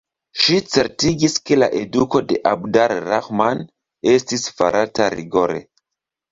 Ŝi certigis ke la eduko de Abd ar-Rahman estis farata rigore.